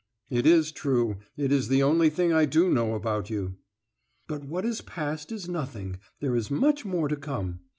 "It is true. It is the only thing I do know about you." "But what is past is nothing; there is much more to come.